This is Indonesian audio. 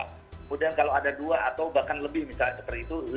kemudian kalau ada dua atau bahkan lebih misalnya seperti itu